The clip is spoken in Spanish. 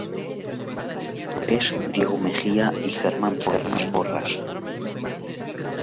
Directores Diego Mejia y Germán Porras.